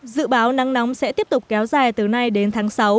dự báo nắng nóng sẽ tiếp tục kéo dài từ nay đến tháng sáu